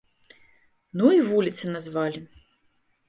Ну і вуліцы назвалі.